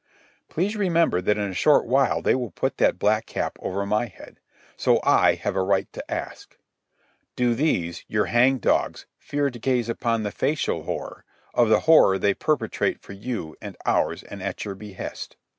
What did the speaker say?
Please remember that in a short while they will put that black cap over my head. So I have a right to ask. Do they, your hang dogs, O smug citizen, do these your hang dogs fear to gaze upon the facial horror of the horror they perpetrate for you and ours and at your behest?